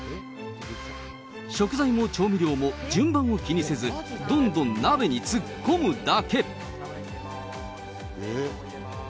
食材も調味料も順番を気にせず、どんどん鍋に突っ込むだけ。